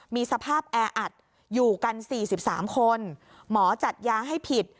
มีสภาพแอร์อัดอยู่กันสี่สิบสามคนหมอจัดยาให้ผิด